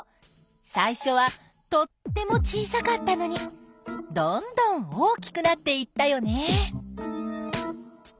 最初はとっても小さかったのにどんどん大きくなっていったよね！